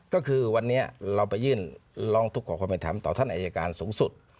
ก็คือวันนี้เราไปยื่นร้องทุกข์ขอความเป็นธรรมต่อท่านอายการสูงสุด